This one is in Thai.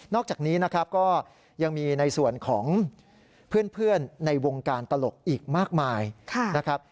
อกจากนี้นะครับก็ยังมีในส่วนของเพื่อนในวงการตลกอีกมากมายนะครับ